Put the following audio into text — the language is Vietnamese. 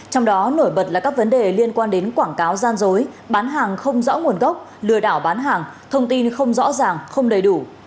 trong đó nổi bật là các vấn đề liên quan đến quảng cáo gian dối bán hàng không rõ nguồn gốc lừa đảo bán hàng thông tin không rõ ràng không đầy đủ